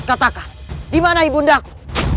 cepat katakan dimana ibundaku